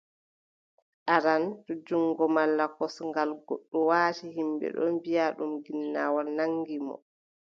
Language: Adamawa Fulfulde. Aran, to junngo malla kosngal goɗɗo waati, yimɓe ɗon mbiʼa ɗum ginnawol nanngi mo.